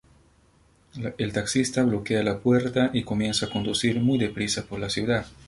El taxista bloquea la puerta y comienza a conducir muy deprisa por la ciudad.